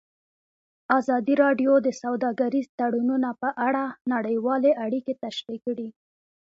ازادي راډیو د سوداګریز تړونونه په اړه نړیوالې اړیکې تشریح کړي.